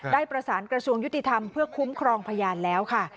ได้ประสานกระทรวงยุติธรรมเพื่อคุ้มครองพยานแล้วค่ะ